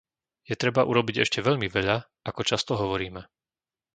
Je treba urobiť ešte veľmi veľa, ako často hovoríme.